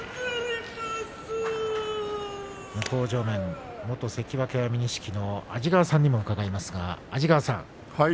向正面、元関脇安美錦の安治川さんにも伺います。